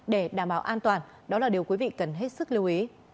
để đảm bảo an toàn đó là điều quý vị cần hết sức lưu ý